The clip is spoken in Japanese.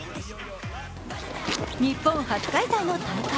日本初開催の大会。